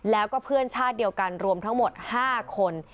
แล้วก็เพื่อนชาติเดียวกันรวมทั้งหมด๕คน